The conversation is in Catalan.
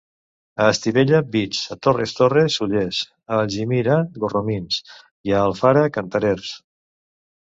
A Estivella, beats; a Torres Torres, ollers; a Algímia, gorromins, i a Alfara, canterers.